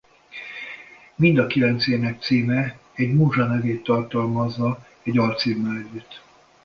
Mind a kilenc ének címe egy múzsa nevét tartalmazza egy alcímmel együtt.